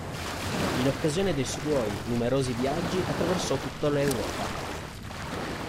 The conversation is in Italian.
In occasione dei suoi numerosi viaggi attraversò tutta l'Europa.